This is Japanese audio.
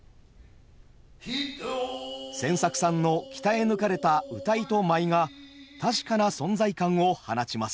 千作さんの鍛え抜かれた謡と舞が確かな存在感を放ちます。